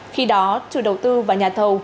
khi đó chủ đầu tư và nhà thầu